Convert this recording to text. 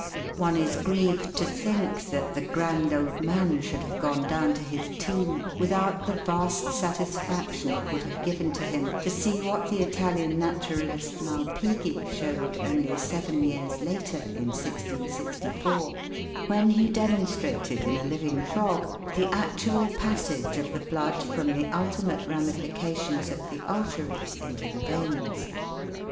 One is grieved to think that the grand old man should have gone down to his tomb without the vast satisfaction it would have given to him to see what the Italian naturalist Malpighi showed only seven years later, in 1664, when he demonstrated, in a living frog, the actual passage of the blood from the ultimate ramifications of the arteries into the veins.